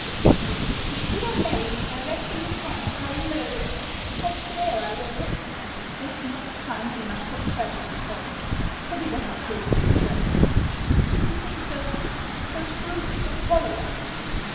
Dicky, if you don't marry me directly you can, I'll murder you — I swear I will!" *' There's not time enough for tragedy, Polly. Put it off until we're in the train." "Do you think those — those brutes will follow us?"